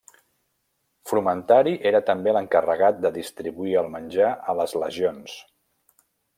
Frumentari era també l'encarregat de distribuir el menjar a les legions.